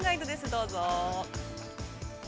どうぞ。